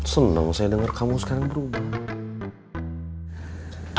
senang saya dengar kamu sekarang berubah